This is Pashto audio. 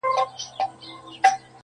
د ازلي قهرمانانو وطن٫